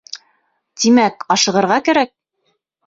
Тимәк, ашығырға кәрәк.